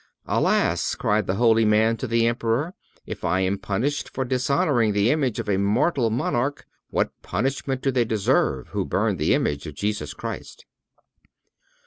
"Alas!" cried the holy man to the Emperor, "if I am punished for dishonoring the image of a mortal monarch, what punishment do they deserve who burn the image of Jesus Christ?"